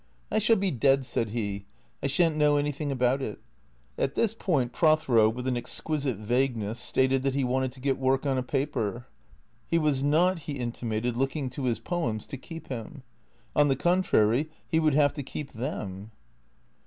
" I shall be dead," said he. " I shan't know anything about it." At this point Prothero, with an exquisite vagueness, stated that he wanted to get work on a paper. He was not, he inti mated, looking to his poems to keep him. On the contrary, he would have to keep them.